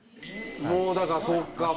もうだからそうか。